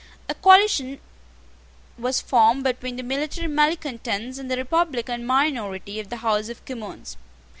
A coalition was formed between the military malecontents and the republican minority of the House of Commons.